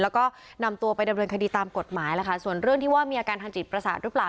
แล้วก็นำตัวไปดำเนินคดีตามกฎหมายล่ะค่ะส่วนเรื่องที่ว่ามีอาการทางจิตประสาทหรือเปล่า